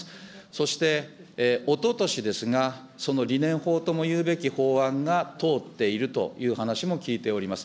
そして、おととしですが、その理念法とも言うべき法案が通っているという話を聞いております。